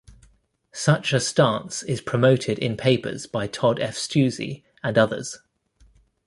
Such a stance is promoted in papers by Tod F. Stuessy and others.